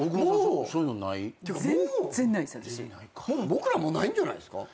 僕らもないんじゃないっすか？